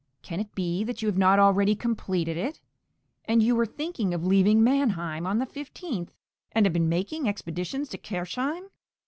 Can it be that you have not already completed it! And you were thinking of leaving Mannheim on the 15th, and have been making expeditions to Kirchheim?